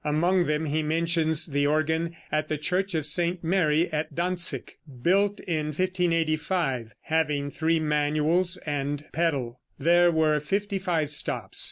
Among them he mentions the organ in the Church of St. Mary at Danzig, built in 1585, having three manuals and pedal; there were fifty five stops.